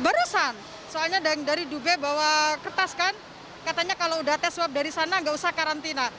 barusan soalnya dari dube bawa kertas kan katanya kalau udah tes swab dari sana nggak usah karantina